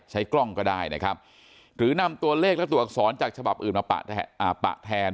ใช้กล้องก็ได้นะครับหรือนำตัวเลขและตัวอักษรจากฉบับอื่นมาปะแทน